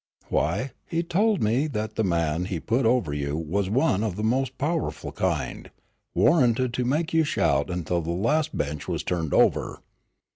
"Why, he told me that the man he put over you was one of the most powerful kind, warranted to make you shout until the last bench was turned over."